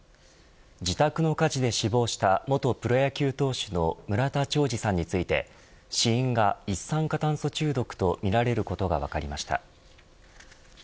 自宅の火事で死亡した元プロ野球投手の村田兆治さんについて死因が一酸化炭素中毒とみられることが分かりました。